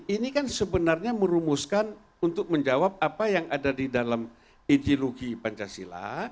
ini kan sebenarnya merumuskan untuk menjawab apa yang ada di dalam ideologi pancasila